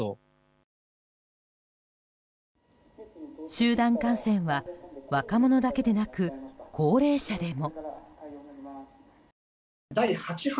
集団感染は若者だけでなく高齢者でも。